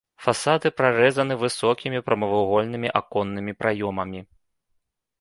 Фасады прарэзаны высокімі прамавугольнымі аконнымі праёмамі.